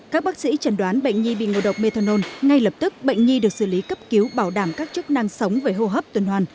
các bác sĩ chẩn đoán bệnh nhi bị ngộ độc methanol ngay lập tức bệnh nhi được xử lý cấp cứu bảo đảm các chức năng sống về hô hấp tuần hoàn